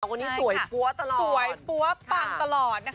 เขาสวยฟัวตลอดนะครับสวยฟัวพั้งตลอด